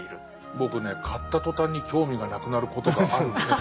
僕ね買った途端に興味がなくなることがあるんです。